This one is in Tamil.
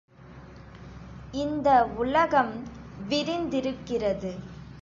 இந்த உலகம் விரிந்திருக்கிறது.